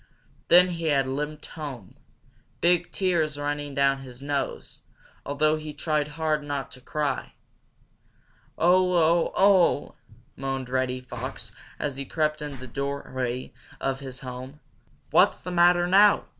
Then he had limped home, big tears running down his nose, although he tried hard not to cry. "Oh! Oh! Oh!" moaned Reddy Fox, as he crept in at the doorway of his home. "What's the matter now?"